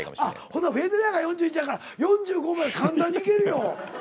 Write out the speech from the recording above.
ほんならフェデラーが４１やから４５まで簡単にいけるよ。